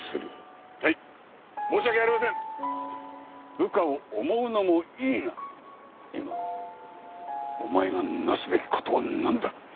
部下を思うのもいいが今お前がなすべき事はなんだ？